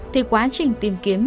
thì quá trình tìm kiếm